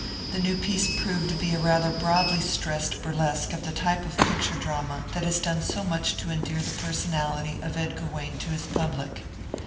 The new piece proved to be a rather broadly stressed burlesque of the type of picture drama that has done so much to endear the personality of Edgar Wayne to his public.